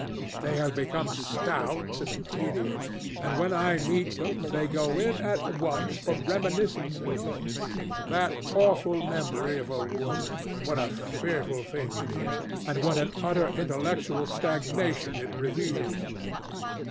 They have become stout and tedious, and when I meet them, they go in at once for reminiscences. That awful memory of woman! What a fearful thing it is! And what an utter intellectual stagnation it reveals!